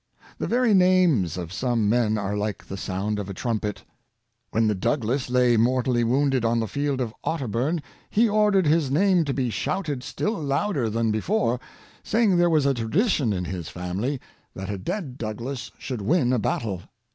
The very names of some men are like the sound of a trumpet. When the Douglas lay mortally wounded on the field of Otter burn, he ordered his name to be shouted still louder than before, saying there was a tradition in his family that a dead Douglas should win a battle.